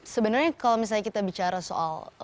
sebenarnya kalau misalnya kita bicara soal